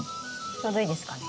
ちょうどいいですかね。